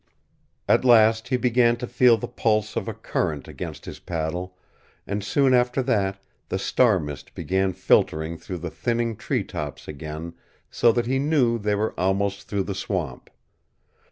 At last he began to feel the pulse of a current against his paddle, and soon after that the star mist began filtering through the thinning tree tops again, so that he knew they were almost through the swamp.